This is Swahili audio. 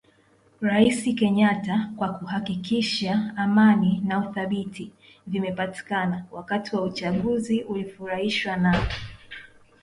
rais Kenyatta kwa kuhakikisha amani na uthabiti vimepatikana wakati wa uchaguzi ulifurahishwa na amani